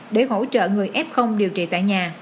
để hỗ trợ người f điều trị tại nhà